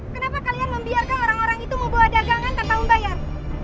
kenapa kalian membiarkan orang orang itu mau bawa dagangan tanpa membayar